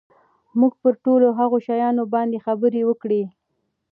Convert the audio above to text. موږ پر ټولو هغو شیانو باندي خبري وکړې.